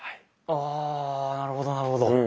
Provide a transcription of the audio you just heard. あなるほどなるほど。